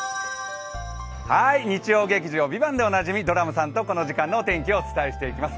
日曜劇場「ＶＩＶＡＮＴ」でおなじみドラムさんとこの時間のお天気をお伝えしていきます。